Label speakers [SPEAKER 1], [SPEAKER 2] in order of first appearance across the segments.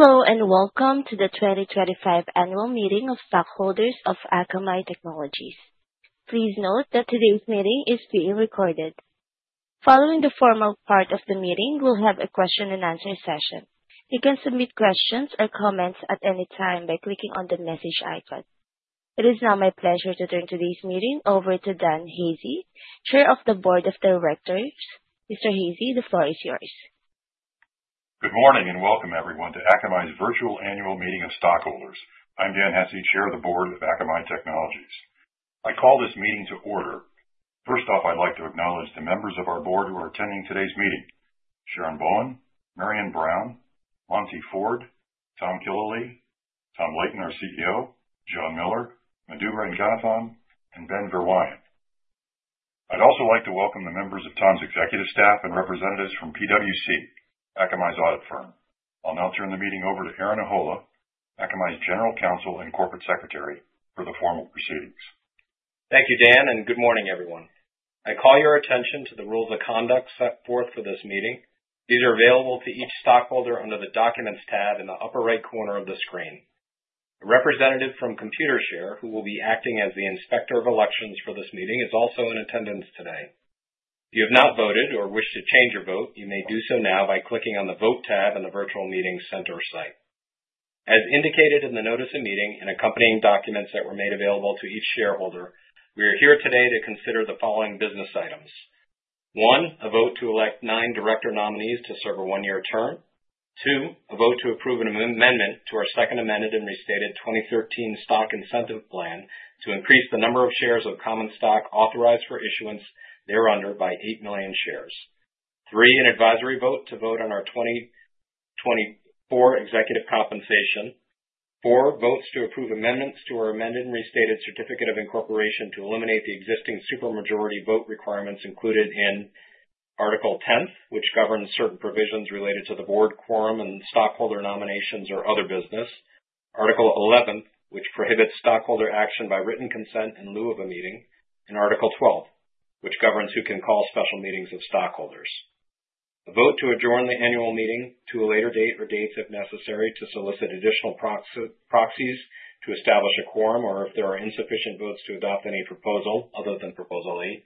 [SPEAKER 1] Hello, and welcome to the 2025 Annual Meeting of Stakeholders of Akamai Technologies. Please note that today's meeting is being recorded. Following the formal part of the meeting, we'll have a question and answer session. You can submit questions or comments at any time by clicking on the message icon. It is now my pleasure to turn today's meeting over to Dan Hesse, Chair of the Board of Directors. Mr. Hesse, the floor is yours.
[SPEAKER 2] Good morning and welcome, everyone, to Akamai's Virtual Annual Meeting of Stakeholders. I'm Dan Hesse, Chair of the Board of Akamai Technologies. I call this meeting to order. First off, I'd like to acknowledge the members of our board who are attending today's meeting: Sharon Bowen, Marianne Brown, Monte Ford, Tom Killalea, Tom Leighton, our CEO, John Miller, Madhu Ranganathan, and Ben Verwaayen. I'd also like to welcome the members of Tom's executive staff and representatives from PwC, Akamai's audit firm. I'll now turn the meeting over to Aaron Ahola, Akamai's General Counsel and Corporate Secretary, for the formal proceedings.
[SPEAKER 3] Thank you, Dan, and good morning, everyone. I call your attention to the rules of conduct set forth for this meeting. These are available to each shareholder under the Documents tab in the upper right corner of the screen. A representative from Computershare, who will be acting as the inspector of elections for this meeting, is also in attendance today. If you have not voted or wish to change your vote, you may do so now by clicking on the Vote tab in the virtual meeting center site. As indicated in the notice of meeting and accompanying documents that were made available to each shareholder, we are here today to consider the following business items: one, a vote to elect nine director nominees to serve a one-year term; two, a vote to approve an amendment to our Second Amendment and restated 2013 Stock Incentive Plan to increase the number of shares of common stock authorized for issuance thereunder by 8 million shares; three, an advisory vote to vote on our 2024 executive compensation; four, votes to approve amendments to our amended and restated certificate of incorporation to eliminate the existing supermajority vote requirements included in Article 10, which governs certain provisions related to the board quorum and stockholder nominations or other business; Article 11, which prohibits stockholder action by written consent in lieu of a meeting; and Article 12, which governs who can call special meetings of stockholders; a vote to adjourn the annual meeting to a later date or dates if necessary to solicit additional proxies to establish a quorum or if there are insufficient votes to adopt any proposal other than Proposal 8;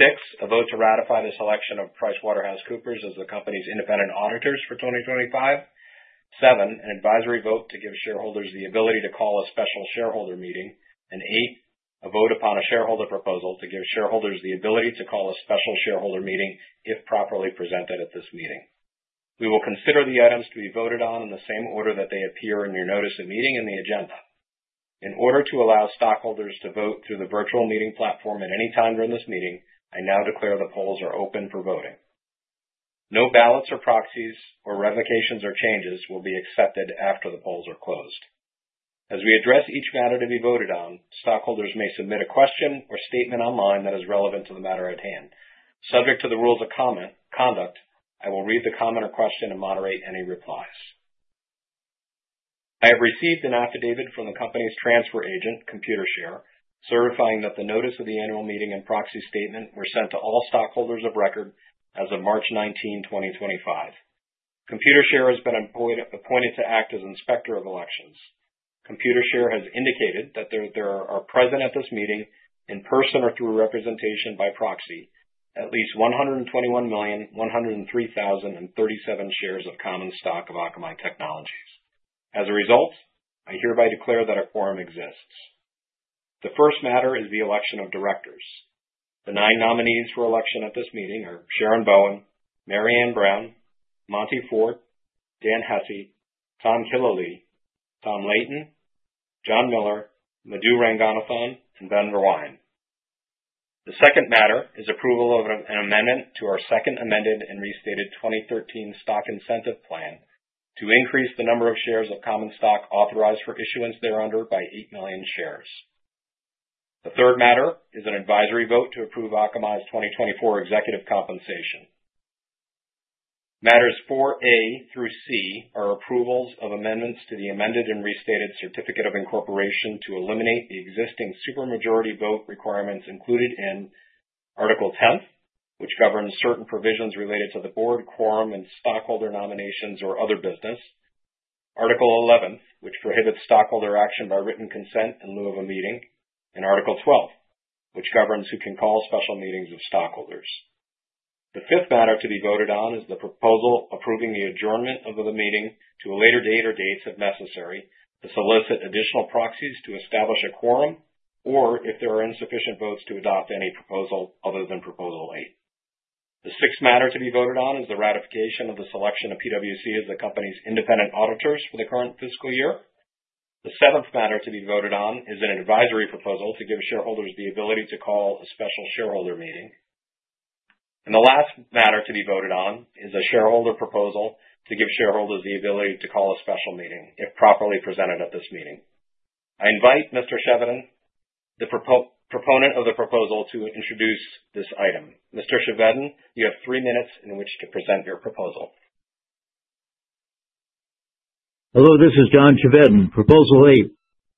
[SPEAKER 3] six, a vote to ratify the selection of PricewaterhouseCoopers as the company's independent auditors for 2025; seven, an advisory vote to give shareholders the ability to call a special shareholder meeting; and eight, a vote upon a shareholder proposal to give shareholders the ability to call a special shareholder meeting if properly presented at this meeting. We will consider the items to be voted on in the same order that they appear in your notice of meeting and the agenda. In order to allow stockholders to vote through the virtual meeting platform at any time during this meeting, I now declare the polls are open for voting. No ballots or proxies or revocations or changes will be accepted after the polls are closed. As we address each matter to be voted on, stockholders may submit a question or statement online that is relevant to the matter at hand. Subject to the rules of conduct, I will read the comment or question and moderate any replies. I have received an affidavit from the company's transfer agent, Computershare, certifying that the notice of the annual meeting and proxy statement were sent to all stockholders of record as of March 19, 2025. Computershare has been appointed to act as inspector of elections. Computershare has indicated that there are present at this meeting in person or through representation by proxy at least 121,103,037 shares of common stock of Akamai Technologies. As a result, I hereby declare that a quorum exists. The first matter is the election of directors. The nine nominees for election at this meeting are Sharon Bowen, Marianne Brown, Monte Ford, Dan Hesse, Tom Killalea, Tom Leighton, John Miller, Madhu Ranganathan, and Ben Verwaayen. The second matter is approval of an amendment to our Second Amended and Restated 2013 Stock Incentive Plan to increase the number of shares of common stock authorized for issuance thereunder by 8 million shares. The third matter is an advisory vote to approve Akamai's 2024 executive compensation. Matters 4A through C are approvals of amendments to the Amended and Restated Certificate of Incorporation to eliminate the existing supermajority vote requirements included in Article 10, which governs certain provisions related to the board quorum and stockholder nominations or other business; Article 11, which prohibits stockholder action by written consent in lieu of a meeting; and Article 12, which governs who can call special meetings of stockholders. The fifth matter to be voted on is the proposal approving the adjournment of the meeting to a later date or dates if necessary to solicit additional proxies to establish a quorum or if there are insufficient votes to adopt any proposal other than Proposal 8. The sixth matter to be voted on is the ratification of the selection of PricewaterhouseCoopers as the company's independent auditors for the current fiscal year. The seventh matter to be voted on is an advisory proposal to give shareholders the ability to call a special shareholder meeting. And the last matter to be voted on is a shareholder proposal to give shareholders the ability to call a special meeting if properly presented at this meeting. I invite Mr. Chevedden, the proponent of the proposal, to introduce this item. Mr. Chevedden, you have three minutes in which to present your proposal.
[SPEAKER 4] Hello, this is John Chevedden. Proposal 8,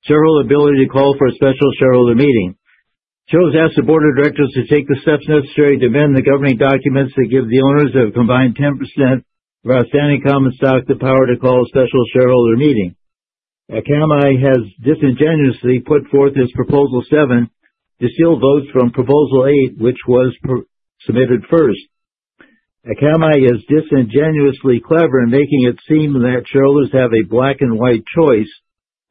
[SPEAKER 4] several ability to call for a special shareholder meeting. Shows asked the board of directors to take the steps necessary to amend the governing documents that give the owners of combined 10% of outstanding common stock the power to call a special shareholder meeting. Akamai has disingenuously put forth as Proposal 7 to steal votes from Proposal 8, which was submitted first. Akamai is disingenuously clever in making it seem that shareholders have a black-and-white choice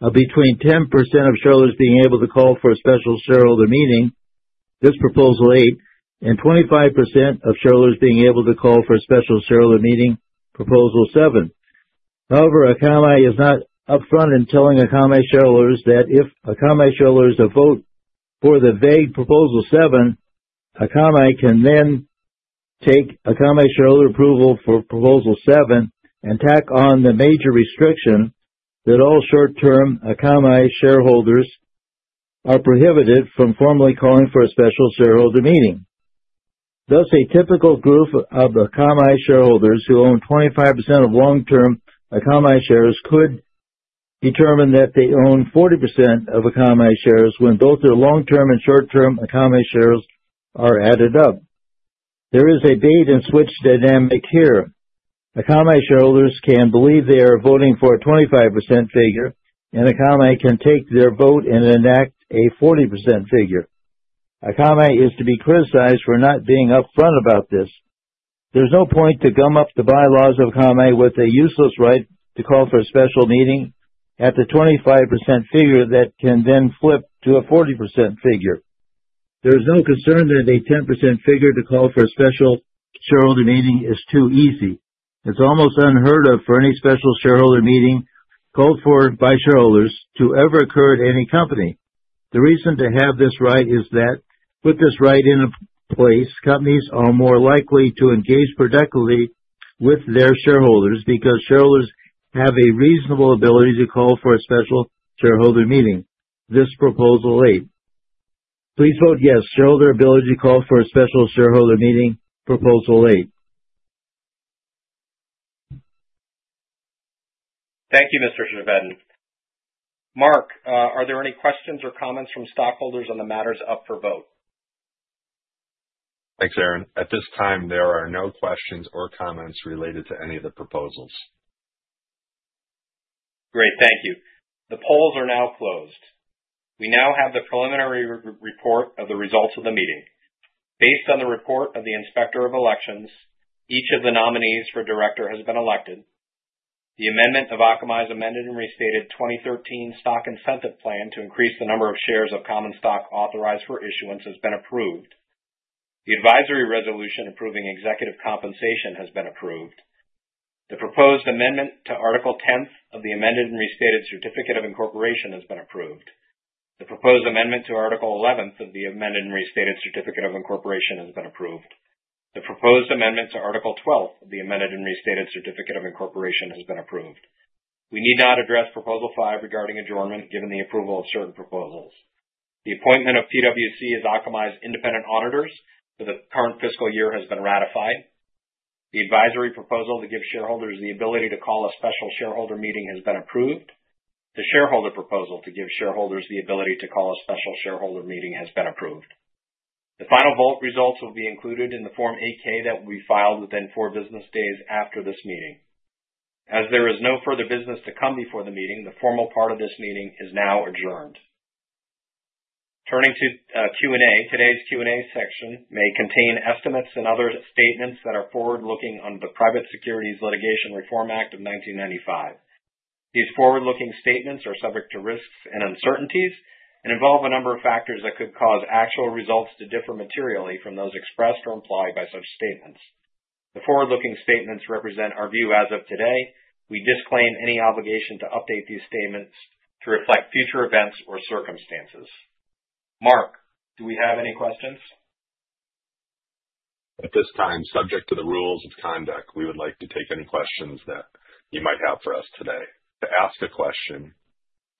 [SPEAKER 4] between 10% of shareholders being able to call for a special shareholder meeting, this Proposal 8, and 25% of shareholders being able to call for a special shareholder meeting, Proposal 7. However, Akamai is not upfront in telling Akamai shareholders that if Akamai shareholders vote for the vague Proposal 7, Akamai can then take Akamai shareholder approval for Proposal 7 and tack on the major restriction that all short-term Akamai shareholders are prohibited from formally calling for a special shareholder meeting. Thus, a typical group of Akamai shareholders who own 25% of long-term Akamai shares could determine that they own 40% of Akamai shares when both their long-term and short-term Akamai shares are added up. There is a bait-and-switch dynamic here. Akamai shareholders can believe they are voting for a 25% figure, and Akamai can take their vote and enact a 40% figure. Akamai is to be criticized for not being upfront about this. There's no point to gum up the bylaws of Akamai with a useless right to call for a special meeting at the 25% figure that can then flip to a 40% figure. There is no concern that a 10% figure to call for a special shareholder meeting is too easy. It's almost unheard of for any special shareholder meeting called for by shareholders to ever occur at any company. The reason to have this right is that with this right in place, companies are more likely to engage productively with their shareholders because shareholders have a reasonable ability to call for a special shareholder meeting, this Proposal 8. Please vote yes to show their ability to call for a special shareholder meeting, Proposal 8.
[SPEAKER 3] Thank you, Mr. Chevedden. Mark, are there any questions or comments from stockholders on the matters up for vote?
[SPEAKER 5] Thanks, Aaron. At this time, there are no questions or comments related to any of the proposals.
[SPEAKER 3] Great. Thank you. The polls are now closed. We now have the preliminary report of the results of the meeting. Based on the report of the inspector of elections, each of the nominees for director has been elected. The amendment of Akamai's amended and restated 2013 Stock Incentive Plan to increase the number of shares of common stock authorized for issuance has been approved. The advisory resolution approving executive compensation has been approved. The proposed amendment to Article 10 of the amended and restated certificate of incorporation has been approved. The proposed amendment to Article 11 of the amended and restated certificate of incorporation has been approved. The proposed amendment to Article 12 of the amended and restated certificate of incorporation has been approved. We need not address Proposal 5 regarding adjournment given the approval of certain proposals. The appointment of PwC as Akamai's independent auditors for the current fiscal year has been ratified. The advisory proposal to give shareholders the ability to call a special shareholder meeting has been approved. The shareholder proposal to give shareholders the ability to call a special shareholder meeting has been approved. The final vote results will be included in the Form 8-K that will be filed within four business days after this meeting. As there is no further business to come before the meeting, the formal part of this meeting is now adjourned. Turning to Q&A, today's Q&A section may contain estimates and other statements that are forward-looking under the Private Securities Litigation Reform Act of 1995. These forward-looking statements are subject to risks and uncertainties and involve a number of factors that could cause actual results to differ materially from those expressed or implied by such statements. The forward-looking statements represent our view as of today. We disclaim any obligation to update these statements to reflect future events or circumstances. Mark, do we have any questions?
[SPEAKER 5] At this time, subject to the rules of conduct, we would like to take any questions that you might have for us today. To ask a question,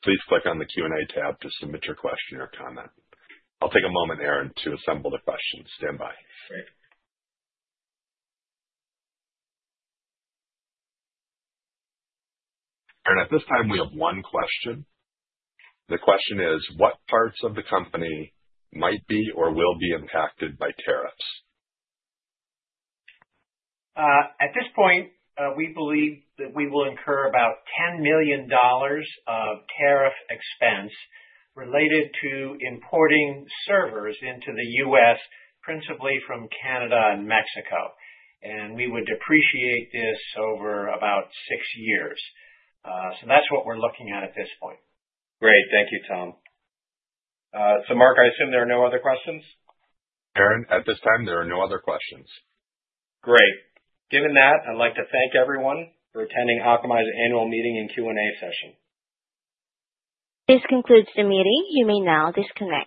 [SPEAKER 5] please click on the Q&A tab to submit your question or comment. I'll take a moment, Aaron, to assemble the questions. Stand by.
[SPEAKER 3] Great.
[SPEAKER 5] Aaron, at this time, we have one question. The question is, what parts of the company might be or will be impacted by tariffs?
[SPEAKER 6] At this point, we believe that we will incur about $10 million of tariff expense related to importing servers into the U.S., principally from Canada and Mexico. And we would depreciate this over about six years. So that's what we're looking at at this point.
[SPEAKER 3] Great. Thank you, Tom. So, Mark, I assume there are no other questions?
[SPEAKER 5] Aaron, at this time, there are no other questions.
[SPEAKER 3] Great. Given that, I'd like to thank everyone for attending Akamai's annual meeting and Q&A session.
[SPEAKER 1] This concludes the meeting. You may now disconnect.